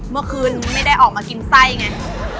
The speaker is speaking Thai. เมื่อคืนไม่ได้ออกมากินไส้ไง